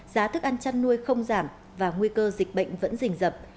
giá thức ăn chăn nuôi không giảm và nguy cơ dịch bệnh vẫn rình dập